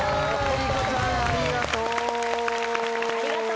りこちゃんありがとう。